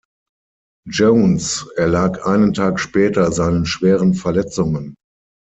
Jones erlag einen Tag später seinen schweren Verletzungen.